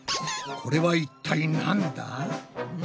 これは一体なんだ？